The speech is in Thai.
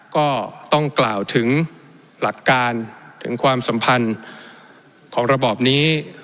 ก็ต้องกล่าวถึงหลักการถึงความสัมพันธ์ของระบอบนี้